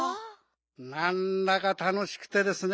なんだかたのしくてですね